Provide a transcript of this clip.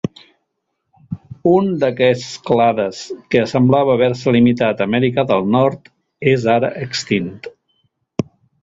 Un d'aquests clades, que semblava haver-se limitat a Amèrica del Nord, és ara extint.